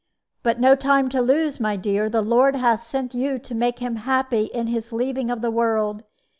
But no time to lose, my dear. The Lord hath sent you to make him happy in his leaving of the world.